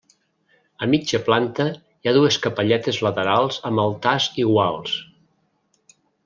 A mitja planta hi ha dues capelletes laterals amb altars iguals.